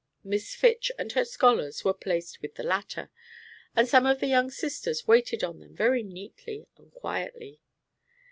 Miss Fitch and her scholars were placed with the latter, and some of the young sisters waited on them very neatly and quietly.